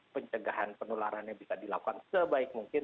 pencegahan penularannya bisa dilakukan sebaik mungkin